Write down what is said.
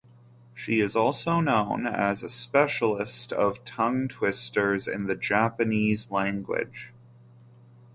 She is also known as a specialist of tongue-twisters in the Japanese language.